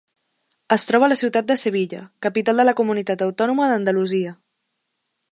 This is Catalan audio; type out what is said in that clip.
Es troba a la ciutat de Sevilla, capital de la comunitat autònoma d'Andalusia.